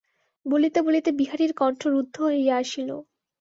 বলিতে বলিতে বিহারীর কণ্ঠ রুদ্ধ হইয়া আসিল।